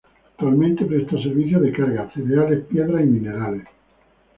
Actualmente presta servicio de cargas cereales, piedras y minerales.